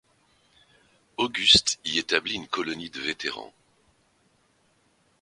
Auguste y établit une colonie de vétérans.